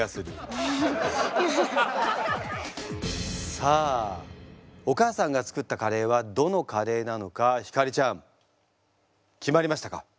さあお母さんが作ったカレーはどのカレーなのか晃ちゃん決まりましたか？